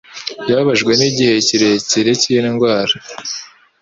Yababajwe nigihe kirekire cyindwara.